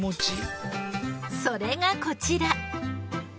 それがこちら！